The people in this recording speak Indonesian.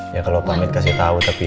ya kalau pamit kasih tau tapi ya